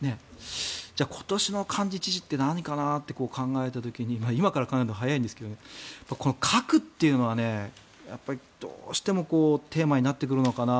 じゃあ今年の漢字１字って何かなって考えた時に今から考えるのは早いんですがこの核というのはどうしてもテーマになってくるのかな。